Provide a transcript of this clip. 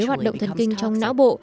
hoạt động thần kinh trong não bộ